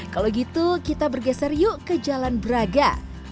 kalau gitu kita bergeser yuk ke jalan braga